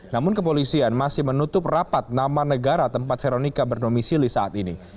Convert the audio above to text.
namun kepolisian masih menutup rapat nama negara tempat veronica bernomisili saat ini